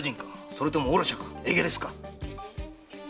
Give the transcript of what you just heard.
それともオロシヤかエゲレスか？